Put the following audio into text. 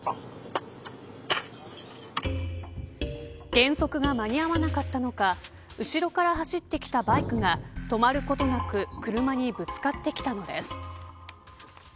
減速が間に合わなかったのか後ろから走ってきたバイクが止まることなく車にぶつかってきたのです。